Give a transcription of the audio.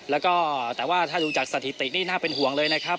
แล้วก็แต่ว่าถ้าดูจากสถิตินี่น่าเป็นห่วงเลยนะครับ